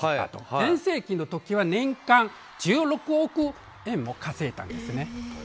全盛期の時は年間１６億円も稼いだんですね。